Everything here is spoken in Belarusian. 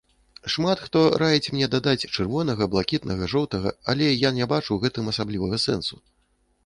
Шмат хто раіць мне дадаць чырвонага-блакітнага-жоўтага, але я не бачу ў гэтым асаблівага сэнсу.